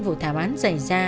vụ thảo án xảy ra